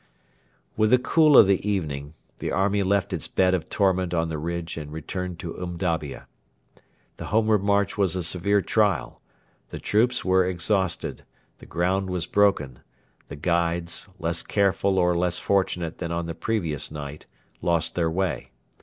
With the cool of the evening the army left its bed of torment on the ridge and returned to Umdabia. The homeward march was a severe trial; the troops were exhausted; the ground was broken; the guides, less careful or less fortunate than on the previous night, lost their way.